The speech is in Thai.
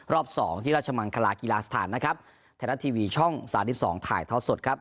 สองที่ราชมังคลากีฬาสถานนะครับไทยรัฐทีวีช่อง๓๒ถ่ายทอดสดครับ